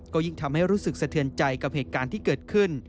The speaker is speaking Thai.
ก็ยิ่งทำให้รู้สึกสะเทือนใจกับเหตุการณ์ที่เกิดขึ้น